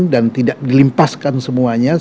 dan tidak dilimpaskan semuanya